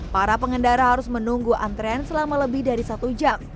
para pengendara harus menunggu antrean selama lebih dari satu jam